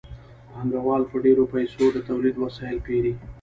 پانګوال په ډېرو پیسو د تولید وسایل پېري